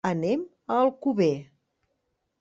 Anem a Alcover.